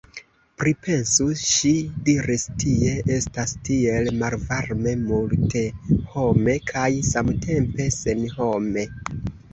Pripensu, ŝi diris, tie estas tiel malvarme, multehome kaj samtempe senhome.